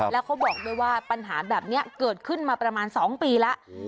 แล้วเขาบอกด้วยว่าปัญหาแบบนี้เกิดขึ้นมาประมาณ๒ปีแล้ว